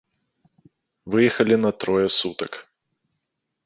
Выехалі на трое сутак.